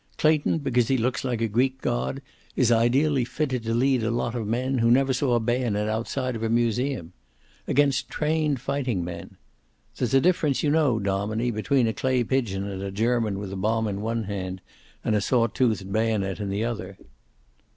"Clayton, because he looks like a Greek god, is ideally fitted to lead a lot of men who never saw a bayonet outside of a museum. Against trained fighting men. There's a difference you know, dominie, between a clay pigeon and a German with a bomb in one hand and a saw toothed bayonet in the other."